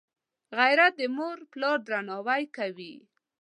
غیرت د موروپلار درناوی کوي